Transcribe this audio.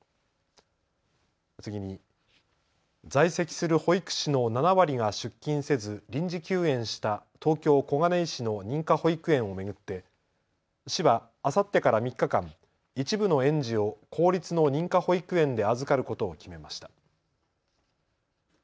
次に、在籍する保育士の７割が出勤せず臨時休園した東京小金井市の認可保育園を巡って市はあさってから３日間、一部の園児を公立の認可保育園で預かることを決めました。